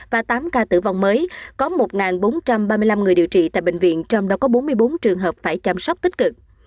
và tám ca tử vong mới có một bốn trăm ba mươi năm người điều trị tại bệnh viện trong đó có bốn mươi bốn trường hợp phải chăm sóc tích cực